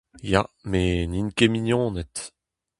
Ya, met n'int ket mignoned.